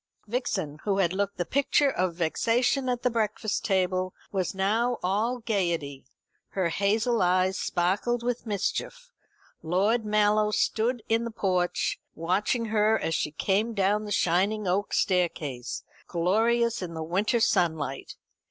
Vixen, who had looked the picture of vexation at the breakfast table, was now all gaiety. Her hazel eyes sparkled with mischief. Lord Mallow stood in the porch, watching her as she came down the shining oak staircase, glorious in the winter sunlight.